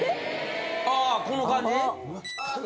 あこの感じ？